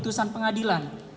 lalu putusan pengadilan